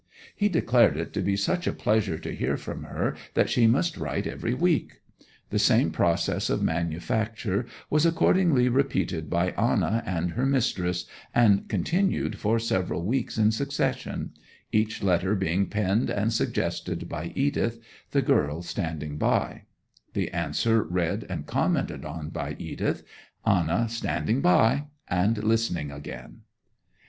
He declared it to be such a pleasure to hear from her that she must write every week. The same process of manufacture was accordingly repeated by Anna and her mistress, and continued for several weeks in succession; each letter being penned and suggested by Edith, the girl standing by; the answer read and commented on by Edith, Anna standing by and listening again.